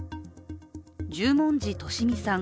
十文字利美さん